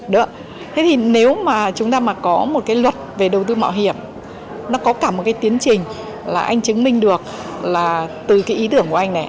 thế thì nếu mà chúng ta mà có một cái luật về đầu tư mạo hiểm nó có cả một cái tiến trình là anh chứng minh được là từ cái ý tưởng của anh này